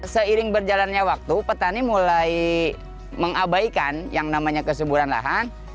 seiring berjalannya waktu petani mulai mengabaikan yang namanya kesuburan lahan